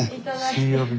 水曜日。